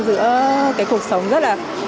giữa cuộc sống rất là